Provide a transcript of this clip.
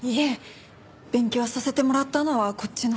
勉強させてもらったのはこっちのほうで。